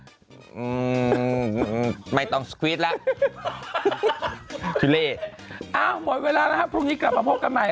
อืมไม่ต้องสกวีทแล้วทิเล่อ้าหมดเวลาแล้วครับพรุ่งนี้กลับมาพบกันใหม่